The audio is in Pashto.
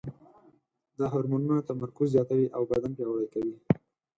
دا هورمونونه تمرکز زیاتوي او بدن پیاوړی کوي.